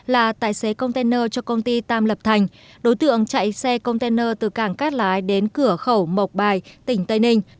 là tài xế container cho công ty tam lập thành đối tượng chạy xe container từ cảng cát lái đến cửa khẩu mộc bài tỉnh tây ninh